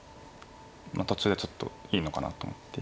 途中でちょっといいのかなと思って。